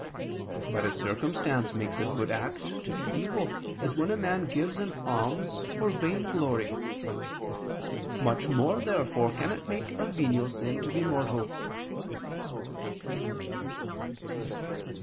But a circumstance makes a good act to be evil, as when a man gives an alms for vainglory. Much more, therefore, can it make a venial sin to be mortal.